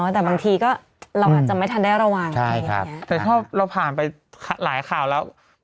แต่บางทีก็เราอาจจะไม่ทันได้ระวังแต่ถ้าเราผ่านไปหลายข่าวแล้ว